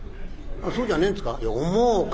「そうじゃねえんですか？」。